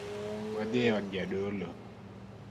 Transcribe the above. Wadhie od jadolo.